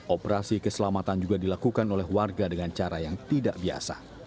operasi keselamatan juga dilakukan oleh warga dengan cara yang tidak biasa